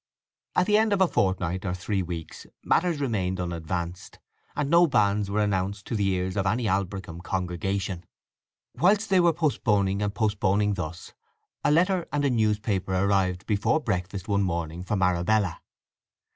At the end of a fortnight or three weeks matters remained unadvanced, and no banns were announced to the ears of any Aldbrickham congregation. Whilst they were postponing and postponing thus a letter and a newspaper arrived before breakfast one morning from Arabella.